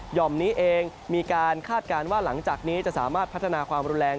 ่อมนี้เองมีการคาดการณ์ว่าหลังจากนี้จะสามารถพัฒนาความรุนแรง